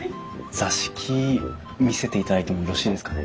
座敷見せていただいてもよろしいですかね？